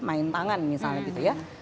main tangan misalnya gitu ya